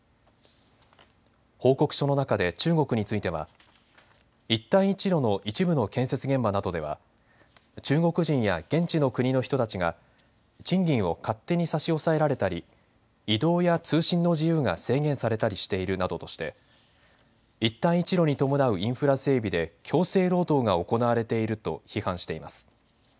報告書の中で中国については一帯一路の一部の建設現場などでは中国人や現地の国の人たちが賃金を勝手に差し押さえられたり移動や通信の自由が制限されたりしているなどとして一帯一路に伴うインフラ整備で強制労働が行われていると批判しています。